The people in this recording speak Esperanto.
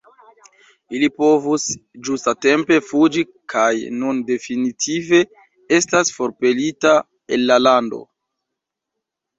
Li povis ĝusta-tempe fuĝi kaj nun definitive estas forpelita el la lando.